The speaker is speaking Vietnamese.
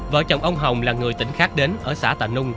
vợ chồng ông hồng là người tỉnh khác đến ở xã tà nung